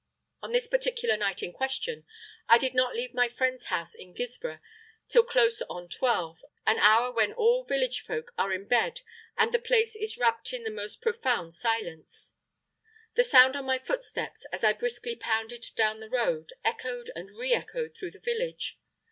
On this particular night in question, I did not leave my friend's house in Guilsborough till close on twelve, an hour when all village folk are in bed and the place is wrapped in the most profound silence. The sound of my footsteps, as I briskly pounded down the road, echoed and re echoed through the village.